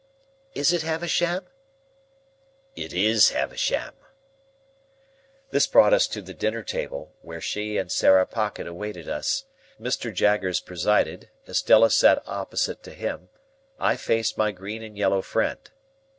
"Is it Havisham?" "It is Havisham." This brought us to the dinner table, where she and Sarah Pocket awaited us. Mr. Jaggers presided, Estella sat opposite to him, I faced my green and yellow friend.